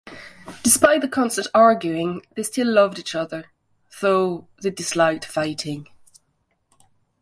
Despite the constant arguing, they still loved each other, though they disliked fighting.